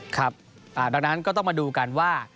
ครับดังนั้นก็ต้องมาดูกันว่า